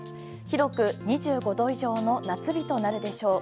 広く２５度以上の夏日となるでしょう。